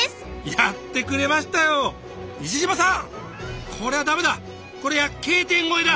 やってくれましたよ西島さん！これは駄目だ！